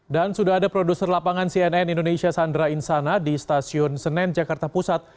dan sudah ada produser lapangan cnn indonesia sandra insana di stasiun senen jakarta pusat